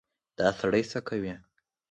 _دا سړی څه کوې؟